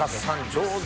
上手！